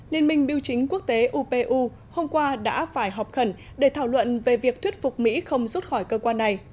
liên minh biểu chính quốc tế upu hôm qua đã phải họp khẩn để thảo luận về việc thuyết phục mỹ không rút khỏi cơ quan này